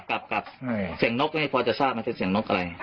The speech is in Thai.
กลับเสียงนกใช่ไหมพ่อจะทราบว่าจะเสียงนกอะไร